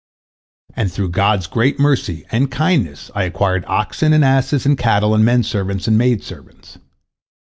And through God's great mercy and kindness, I acquired oxen and asses and cattle and men servants and maid servants.